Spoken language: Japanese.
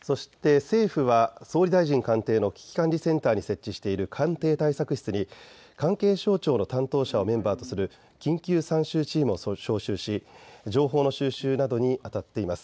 そして政府は総理大臣官邸の危機管理センターに設置している官邸対策室に関係省庁の担当者をメンバーとする緊急参集チームを招集し情報の収集などにあたっています。